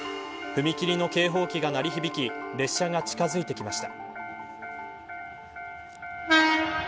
踏切の警報機が鳴り響き列車が近づいてきました。